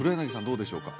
どうでしょうか？